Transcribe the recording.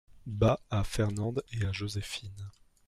Bas à Fernande et à Joséphine.